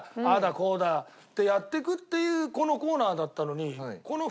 こうだってやっていくっていうこのコーナーだったのに。